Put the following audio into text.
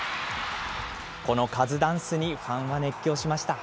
このカズダンスに、ファンは熱狂しました。